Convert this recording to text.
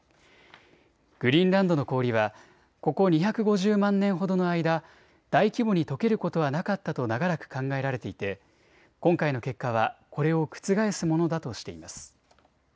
グリーンランドの氷はここ２５０万年ほどの間、大規模にとけることはなかったと長らく考えられていて今回の結果はこれを覆すものだとしています。